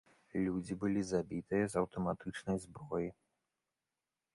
Людзі былі забітыя з аўтаматычнай зброі.